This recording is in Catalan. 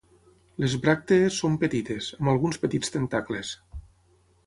Les bràctees són petites, amb alguns petits tentacles.